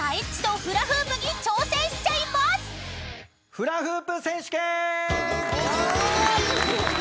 フラフープ選手権！